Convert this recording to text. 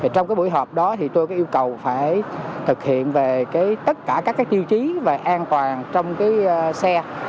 trong buổi họp đó tôi có yêu cầu phải thực hiện về tất cả các tiêu chí về an toàn trong xe